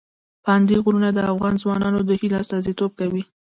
پابندي غرونه د افغان ځوانانو د هیلو استازیتوب کوي.